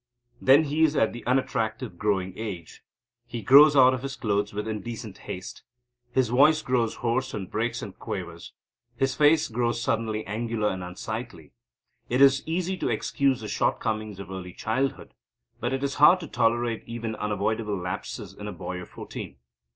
Then he is at the unattractive, growing age. He grows out of his clothes with indecent haste; his voice grows hoarse and breaks and quavers; his face grows suddenly angular and unsightly. It is easy to excuse the shortcomings of early childhood, but it is hard to tolerate even unavoidable lapses in a boy of fourteen.